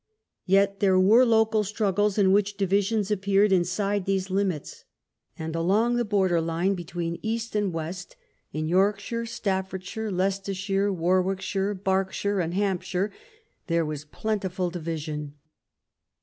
Yet there were local struggles in which divisions appeared in side these limits; and along the border line between East and West, in Yorkshire, Staffordshire, Leicestershire, War wickshire, Berkshire, and Hampshire, there was plentiful division.